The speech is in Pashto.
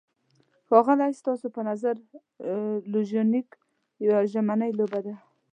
ښاغلی، ستاسو په نظر لوژینګ یوه ژمنی لوبه ده؟